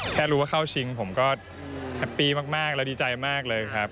แค่รู้ว่าเข้าชิงผมก็แฮปปี้มากและดีใจมากเลยครับ